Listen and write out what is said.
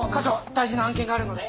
大事な案件があるので。